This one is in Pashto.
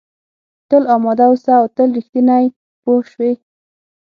تل اماده اوسه او تل رښتینی پوه شوې!.